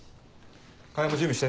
川合も準備して。